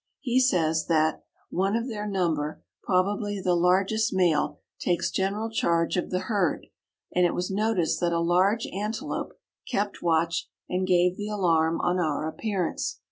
He says that "one of their number, probably the largest male, takes general charge of the herd; and it was noticed that a large antelope kept watch and gave the alarm on our appearance.